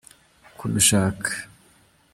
kubishaka.